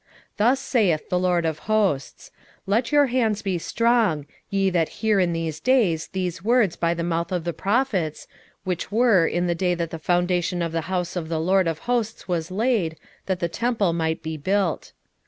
8:9 Thus saith the LORD of hosts; Let your hands be strong, ye that hear in these days these words by the mouth of the prophets, which were in the day that the foundation of the house of the LORD of hosts was laid, that the temple might be built.